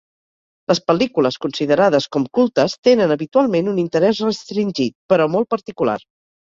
Les pel·lícules considerades com cultes tenen habitualment un interès restringit però molt particular.